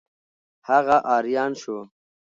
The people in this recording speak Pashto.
هغه آریان شو.